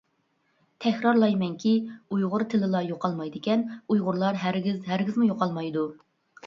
تەكرارلايمەنكى، ئۇيغۇر تىلىلا يوقالمايدىكەن ئۇيغۇرلار ھەرگىز، ھەرگىزمۇ يوقالمايدۇ.